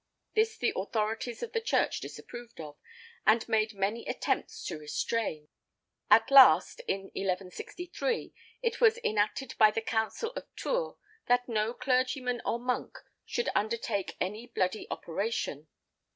This the authorities of the church disapproved of, and made many attempts to restrain. At last, in 1163, it was enacted by the Council of Tours that no clergyman or monk should undertake any bloody operation.